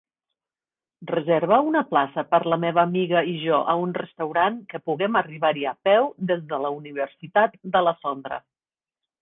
Reserva una plaça per la meva amiga i jo a un restaurant que puguem arribar-hi a peu des de la universitat de la Sondra.